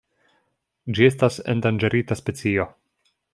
Ĝi estas endanĝerita specio.